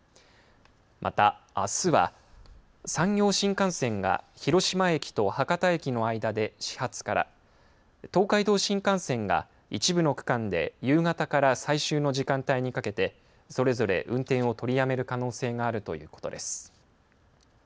また、あすは山陽新幹線が広島駅と博多駅の間で始発から東海道新幹線が一部の区間で夕方から最終の時間帯にかけてそれぞれ運転を取りやめる可能性があるということです。